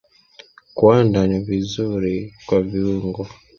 Kuanda ni vizuri kwa viungo.